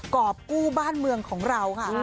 รอบกู้บ้านเมืองของเราค่ะ